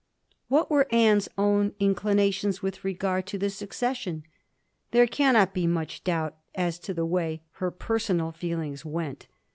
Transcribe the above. What were Anne's own inclinations with regard to the succession ? There cannot be much doubt as to the way her personal feelings went.